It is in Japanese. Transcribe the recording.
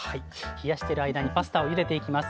冷やしてる間にパスタをゆでていきます。